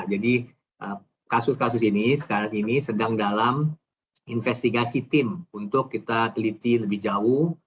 jadi kasus kasus ini saat ini sedang dalam investigasi tim untuk kita teliti lebih jauh